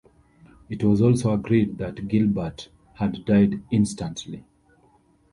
It was also agreed that Gilbert had died instantly.